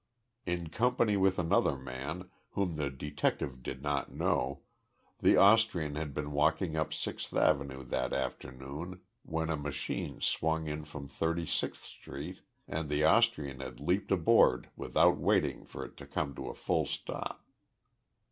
In company with another man, whom the detective did not know, the Austrian had been walking up Sixth Avenue that afternoon when a machine swung in from Thirty sixth Street and the Austrian had leaped aboard without waiting for it to come to a full stop.